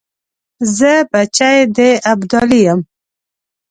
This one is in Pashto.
زه بچی د ابدالي یم .